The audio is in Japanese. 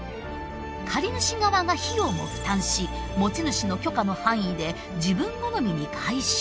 借り主側が費用も負担し持ち主の許可の範囲で自分好みに改修。